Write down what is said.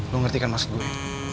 lu ngerti kan maksud gue